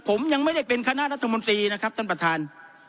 ผมยังไม่ได้เป็นคณะรัฐมนตรีนะครับท่านประธาน